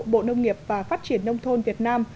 bộ nông nghiệp và phát triển nông thôn việt nam